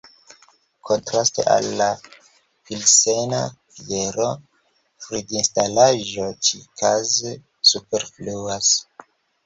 Kontraste al la pilsena biero, fridinstalaĵoj ĉi-kaze superfluas.